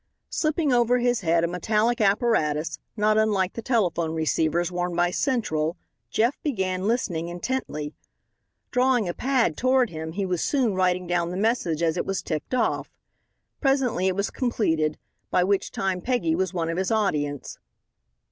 Slipping over his head a metallic apparatus, not unlike the telephone receivers worn by "Central," Jeff began listening intently. Drawing a pad toward him, he was soon writing down the message as it was ticked off. Presently it was completed, by which time Peggy was one of his audience.